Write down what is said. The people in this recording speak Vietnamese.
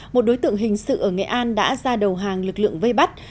một đối tượng hình sự ở nghệ an đã ra đầu hàng lực lượng vây bắt